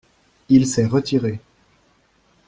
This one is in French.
Il s’est retiré.